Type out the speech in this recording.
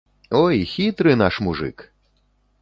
Ой, хітры наш мужык!